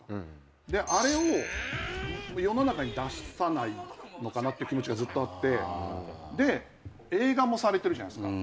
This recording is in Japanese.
あれを世の中に出さないのかなっていう気持ちがずっとあって映画もされてるじゃないっすか。